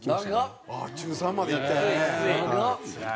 中３までいったんやね。